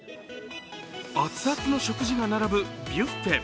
熱々の食事が並ぶビュッフェ。